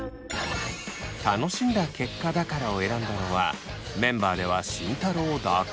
「楽しんだ結果だから」を選んだのはメンバーでは慎太郎だけ。